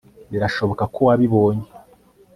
Birashoboka ko wabibonye